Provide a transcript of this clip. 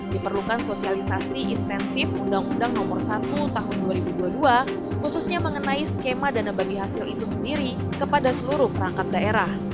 diperlukan sosialisasi intensif undang undang nomor satu tahun dua ribu dua puluh dua khususnya mengenai skema dana bagi hasil itu sendiri kepada seluruh perangkat daerah